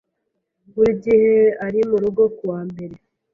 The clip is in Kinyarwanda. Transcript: Buri gihe ari murugo kuwa mbere.